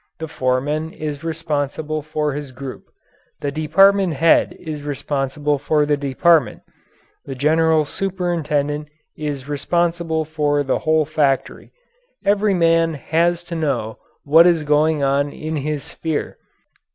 The foreman is responsible for his group. The department head is responsible for the department. The general superintendent is responsible for the whole factory. Every man has to know what is going on in his sphere.